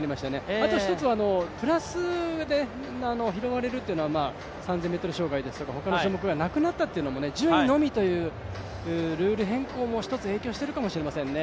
あと１つは、プラスで拾われるというのは３０００ｍ障害ですけど、他の種目がなくなったというのも順位のみというルール変更もひとつ影響しているかもしれませんね。